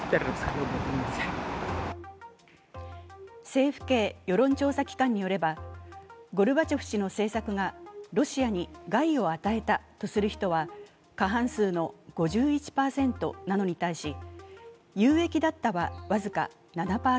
政府系世論調査機関によれば、ゴルバチョフ氏の政策がロシアに害を与えたとする人は過半数の５１％なのに対し有益だったは僅か７％。